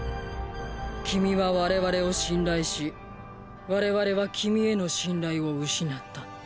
君は我々を信頼し我々は君への信頼を失った。